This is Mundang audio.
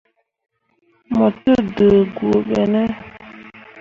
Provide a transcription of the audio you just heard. Mo te dǝǝ guu ɓe ne ?